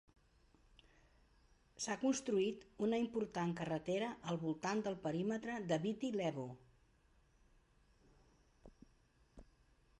S'ha construït una important carretera al voltant del perímetre de Viti Levu.